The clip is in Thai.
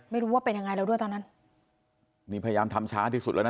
ไม่รู้ว่าเป็นยังไงแล้วด้วยตอนนั้นนี่พยายามทำช้าที่สุดแล้วนะ